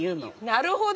なるほど！